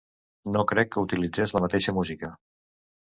No crec que utilitzés la mateixa música.